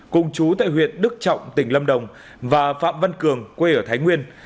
cùng chú tại huyện đức trọng tỉnh lâm đồng và phạm văn cường quê ở thái nguyên